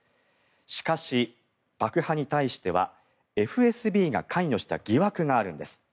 しかし、爆破に対してはＦＳＢが関与した疑惑があるんです。